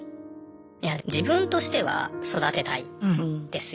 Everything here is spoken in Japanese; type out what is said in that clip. いや自分としては育てたいですよ。